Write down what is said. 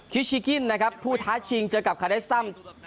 ชิชีกิ้นผู้ท้าชิงเจอกับคาร์ไดสตัม